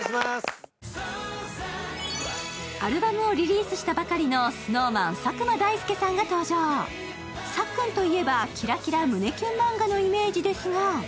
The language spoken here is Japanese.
アルバムをリリースしたばかりのＳｎｏｗＭａｎ・佐久間大介さんが登場さっくんといえば、キラキラ胸キュンマンガのイメージですが。